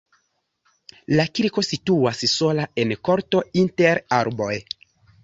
La kirko situas sola en korto inter arboj.